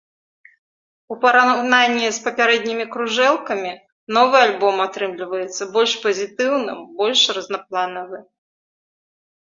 У параўнанні з папярэднімі кружэлкамі, новы альбом атрымліваецца больш пазітыўным, больш разнапланавы.